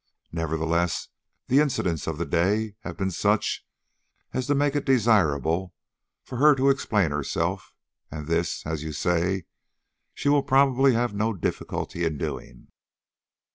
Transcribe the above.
Nevertheless, the incidents of the day have been such as to make it desirable for her to explain herself, and this, as you say, she will probably have no difficulty in doing.